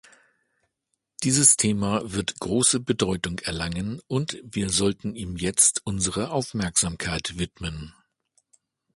Dieses Thema wird große Bedeutung erlangen, und wir sollten ihm jetzt unsere Aufmerksamkeit widmen.